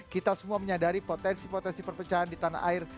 kita semua menyadari potensi potensi perpecahan di tanah air